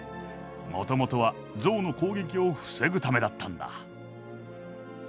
もともとは象の攻撃を防ぐためだったんだ。